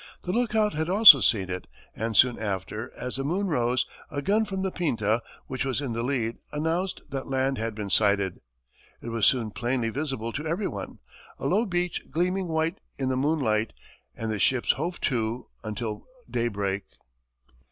The lookout had also seen it, and soon after, as the moon rose, a gun from the Pinta, which was in the lead, announced that land had been sighted. It was soon plainly visible to everyone, a low beach gleaming white in the moonlight, and the ships hove to until daybreak.